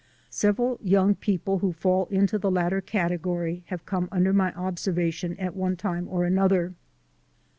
Several young people who fall into the lat ter category have come under my observation at one time or another.